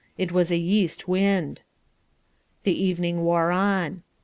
It was a yeast wind. The evening wore on.